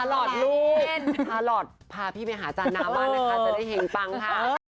ชาลอดลูกชาลอดพาพี่ไปหาจานน้ำมานะคะจะได้แห่งปังค่ะ